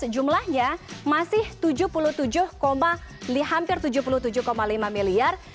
jumlahnya masih tujuh puluh tujuh lima miliar